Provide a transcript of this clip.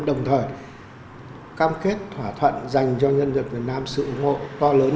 đồng thời cam kết thỏa thuận dành cho nhân dân việt nam sự ủng hộ to lớn